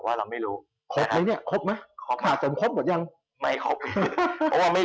มาตรการเนี่ยช็อปช่วยชาติเนี่ย